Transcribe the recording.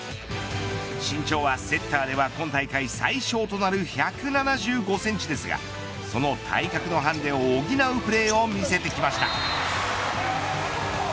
身長はセッターでは今大会最小となる１７５センチですがその体格のハンデを補うプレーを見せてきました。